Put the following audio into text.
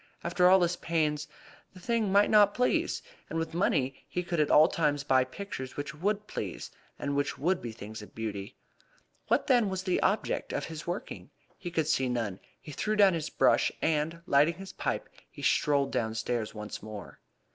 After all his pains the thing might not please; and with money he could at all times buy pictures which would please, and which would be things of beauty. What, then, was the object of his working? He could see none. He threw down his brush, and, lighting his pipe, he strolled downstairs once more.